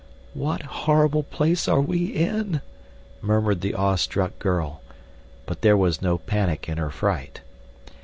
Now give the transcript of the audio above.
"What horrible place are we in?" murmured the awe struck girl. But there was no panic in her fright.